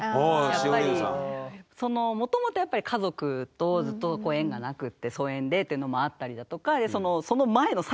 やっぱりそのもともとやっぱり家族とずっと縁がなくって疎遠でっていうのもあったりだとか。